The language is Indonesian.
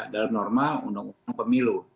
dalam norma undang undang pemilu